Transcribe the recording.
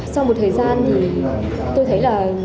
sau một thời gian thì tôi thấy là